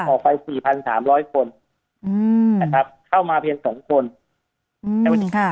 ออกไปสี่พันสามร้อยคนอืมนะครับเข้ามาเพียงสองคนอืมในวันนี้ค่ะ